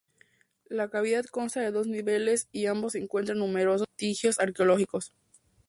La cavidad consta de dos niveles, y en ambos se encuentran numerosos vestigios arqueológicos.